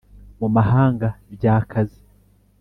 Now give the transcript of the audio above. mu mahanga byakaze